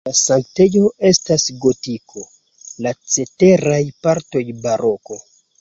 La sanktejo estas gotiko, la ceteraj partoj baroko.